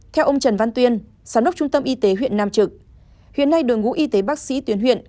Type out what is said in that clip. theo ông trần văn tuyên sáng đốc trung tâm y tế huyện nam trực huyện này đội ngũ y tế bác sĩ tuyến huyện